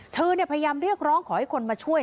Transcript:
พยายามเรียกร้องขอให้คนมาช่วย